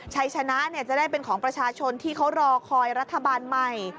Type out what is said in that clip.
ชัยชนะจะได้เป็นของประชาชนที่เขารอคอยรัฐบาลใหม่